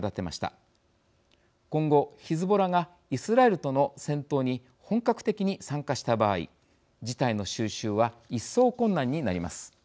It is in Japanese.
今後ヒズボラがイスラエルとの戦闘に本格的に参加した場合事態の収拾は一層困難になります。